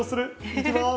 いきます！